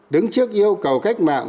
đứng trước yêu cầu cách mạng